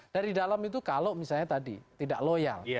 dari dalam itu kalau misalnya tadi tidak loyal